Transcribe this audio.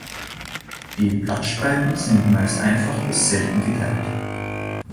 Die Blattspreiten sind meist einfach bis selten geteilt.